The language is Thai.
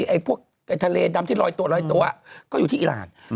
ไอ้พวกทะเลดำที่ลอยตัวลอยตัวก็อยู่ที่อิราณ